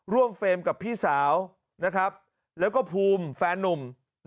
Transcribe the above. เฟรมกับพี่สาวแล้วก็ภูมิแฟนนุ่ม